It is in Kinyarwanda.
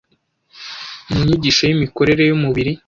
mu nyigisho y’imikorere y’umubiri